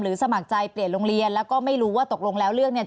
สมัครใจเปลี่ยนโรงเรียนแล้วก็ไม่รู้ว่าตกลงแล้วเรื่องเนี่ย